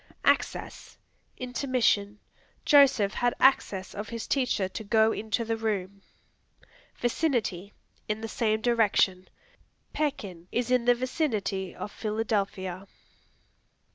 Access Intermission; "Joseph had access of his teacher to go into the room." Vicinity In the same direction; "Pekin is in the vicinity of Philadelphia."